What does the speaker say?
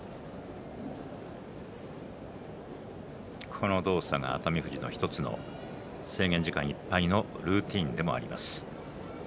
この動作が熱海富士の１つの制限時間いっぱいのルーティンでもあります。